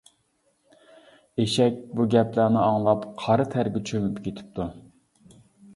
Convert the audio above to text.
ئېشەك بۇ گەپلەرنى ئاڭلاپ قارا تەرگە چۆمۈپ كېتىپتۇ.